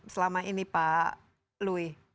selama ini pak louis